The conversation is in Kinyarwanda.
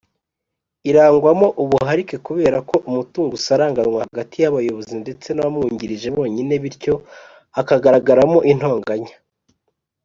irangwamo ubuharike kubera ko umutungo usaranganywa hagati yabayozi ndetse nabamwungirije bonyine bityo hakagaragaramo intonganya.